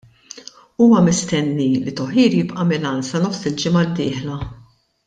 Huwa mistenni li Thohir jibqa' Milan sa nofs il-ġimgħa d-dieħla.